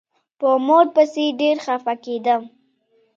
په مور پسې ډېر خپه کېدم.